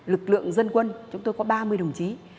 lực lượng dân quân chúng tôi có ba mươi đồng chí